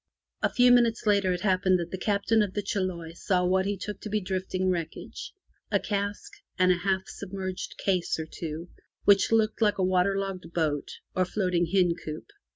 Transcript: A few minutes later it happened that the Captain of the Chiloe saw what he took to be drifting wreckage — a cask, and a half sub merged case or two, which looked like a water logged boat or floating hen coop.